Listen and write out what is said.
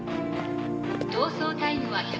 逃走タイムは１５０分。